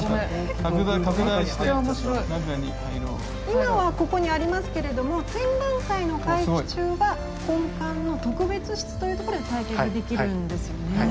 今はここにありますけれども展覧会の会期中は本館の特別室というところで体験ができるんですよね。